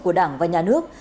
của đảng và nhà nước